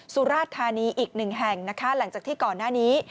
สุราชธานีอีกหนึ่งแห่งนะคะหลังจากที่ก่อนหน้านี้